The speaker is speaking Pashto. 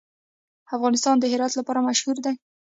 افغانستان د هرات لپاره مشهور دی.